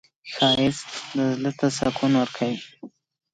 ښایست زړه ته سکون ورکوي